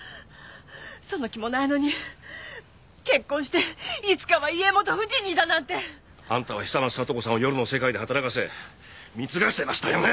その気もないのに結婚していつかは家元夫人にだなんて！あんたは久松聡子さんを夜の世界で働かせ貢がしてましたよね！？